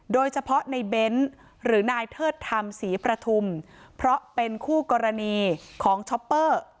โดยเฉพาะในเบ้นหรือนายเทิดธรรมศรีประทุมเพราะเป็นคู่กรณีของช็อปเปอร์